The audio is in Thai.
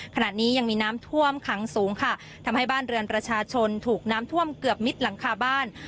ขณะนี้ยังมีน้ำท่วมขังสูงค่ะทำให้บ้านเรือนประชาชนถูกน้ำท่วมเกือบมิดหลังคาบ้าน